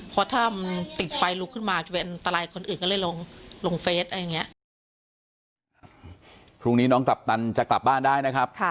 พรุ่งนี้น้องกัปตันจะกลับบ้านได้นะครับ